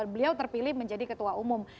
beliau terpilih menjadi ketua umum